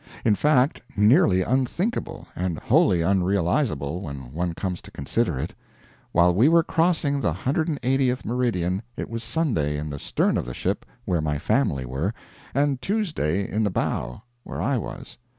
In fact, nearly unthinkable, and wholly unrealizable, when one comes to consider it. While we were crossing the 180th meridian it was Sunday in the stern of the ship where my family were, and Tuesday in the bow where I was.